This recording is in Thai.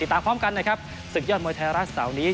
ตามพร้อมกันนะครับศึกยอดมวยไทยรัฐเสาร์นี้